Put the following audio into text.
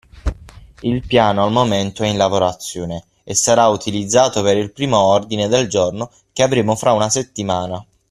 Il piano al momento è in lavorazione e sarà utilizzato per il primo ordine del giorno che avremo fra una settimana.